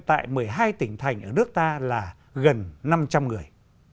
tại một mươi hai tỉnh thành ở nước ta là gần năm trăm linh người